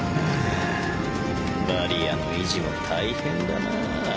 バリアの維持も大変だなぁ。